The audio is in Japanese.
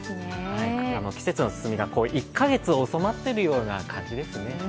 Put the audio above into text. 季節の進みが１か月遅まってるような感じですね。